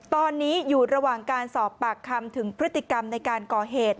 ตอนนี้อยู่ระหว่างการสอบปากคำถึงพฤติกรรมในการก่อเหตุ